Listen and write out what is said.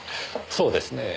そうですねえ。